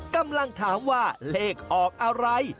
กำลังถามว่าเลขออกอะไร